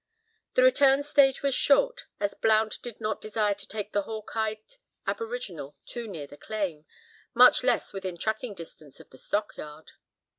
The return stage was short, as Blount did not desire to take the hawk eyed aboriginal too near the claim, much less within tracking distance of the stockyard.